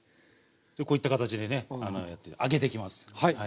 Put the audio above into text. こういった形でね揚げていきます。